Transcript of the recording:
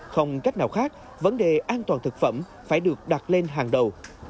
không cách nào khác vấn đề an toàn thực phẩm phải được đặt lên hàng đầu